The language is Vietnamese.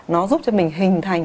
nó giúp cho mình hình thành